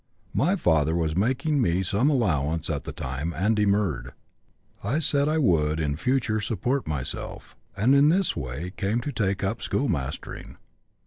My father was making me some allowance at the time and demurred. I said I would in future support myself, and in this way came to take up schoolmastering.